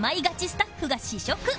スタッフが試食